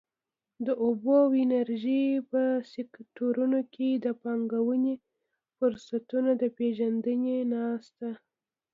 د اوبو او انرژۍ په سکټورونو کې د پانګونې فرصتونو د پېژندنې ناسته.